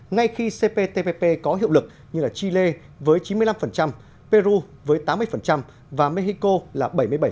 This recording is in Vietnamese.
ngay khi cptpp có hiệu lực như chile với chín mươi năm peru với tám mươi và mexico là bảy mươi bảy